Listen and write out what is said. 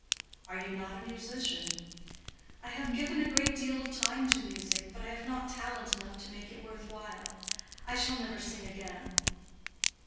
"Are you not a musician?" "I have given a great deal of time to music. But I have not talent enough to make it worth while. I shall never sing again."